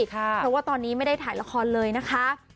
เพราะว่าตอนนี้ไม่ได้ถ่ายละครเลยนะคะ